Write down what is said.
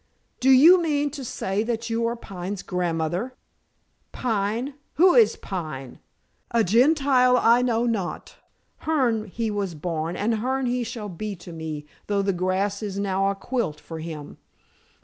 "Do you mean to say that you are Pine's grandmother?" "Pine? Who is Pine? A Gentile I know not. Hearne he was born and Hearne he shall be to me, though the grass is now a quilt for him.